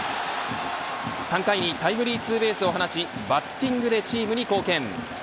３回にタイムリーツーベースを放ちバッティングでチームに貢献